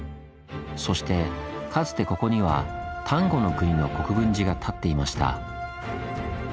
そしてかつてここには丹後国の国分寺が建っていました。